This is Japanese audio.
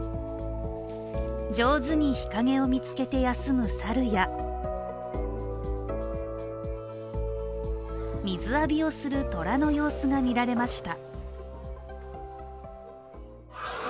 上手に日影を見つけて休む猿や水浴びをする虎の様子が見られました。